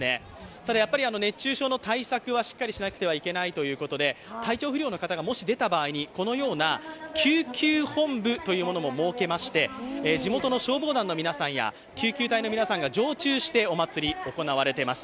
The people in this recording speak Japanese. ただ、熱中症の対策はしっかりしないといけないので体調不良の方が出たときにこのような救急本部というものも設けまして地元の消防団の皆さんや救急隊の皆さんが常駐してお祭り、行われています。